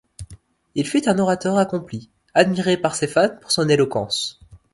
Il fut un orateur accompli, admiré par ses fans pour son éloquence.